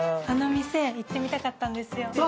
あの店行ってみたかったんですよ。